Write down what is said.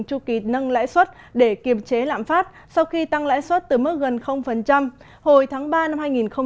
chu kỳ nâng lãi suất để kiềm chế lạm phát sau khi tăng lãi suất từ mức gần hồi tháng ba năm hai nghìn hai mươi